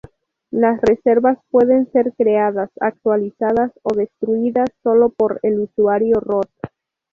Las reservas pueden ser creadas, actualizadas o destruidas solo por el usuario root.